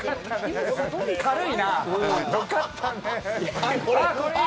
軽いな、よかったねって。